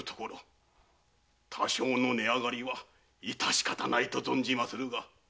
多少の値上がりは致し方ないと存じまするが。